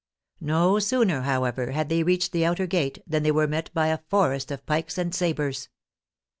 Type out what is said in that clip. No sooner, however, had they reached the outer gate than they were met by a forest of pikes and sabres.